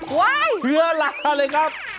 เชื้อลาเลยครับ